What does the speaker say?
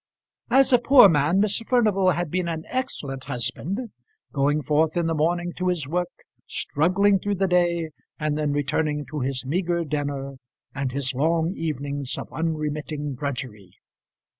As a poor man Mr. Furnival had been an excellent husband, going forth in the morning to his work, struggling through the day, and then returning to his meagre dinner and his long evenings of unremitting drudgery.